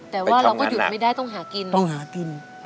แต่ว่าเราก็หยุดไม่ได้ต้องหากิน